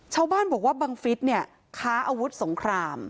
ชาวบ้านบอกว่าบังฟิศเนี่ยค้าอาวุธสงคราม